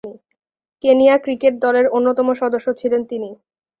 Kenya cricket দলের অন্যতম সদস্য ছিলেন তিনি।